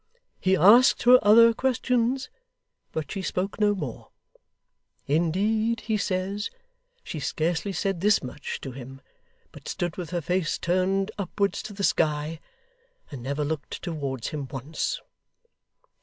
He asked her other questions, but she spoke no more. Indeed, he says, she scarcely said this much, to him, but stood with her face turned upwards to the sky, and never looked towards him once.